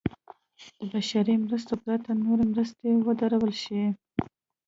د بشري مرستو پرته نورې مرستې ودرول شي.